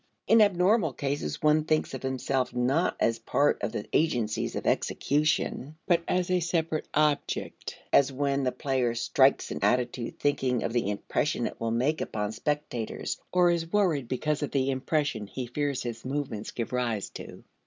In abnormal cases, one thinks of himself not as part of the agencies of execution, but as a separate object as when the player strikes an attitude thinking of the impression it will make upon spectators, or is worried because of the impression he fears his movements give rise to.